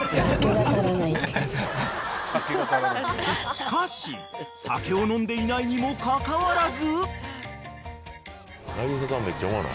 ［しかし酒を飲んでいないにもかかわらず］